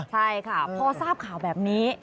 ใช่ค่ะพอทราบข่าวแบบนี้